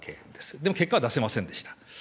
でも結果は出せませんでした。